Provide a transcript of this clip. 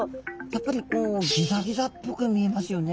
やっぱりこうギザギザっぽく見えますよね。